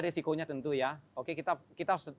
risikonya tentu ya oke kita harus